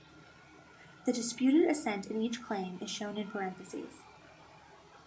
The disputed ascent in each claim is shown in parentheses.